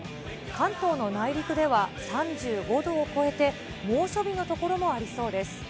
関東の内陸では、３５度を超えて、猛暑日の所もありそうです。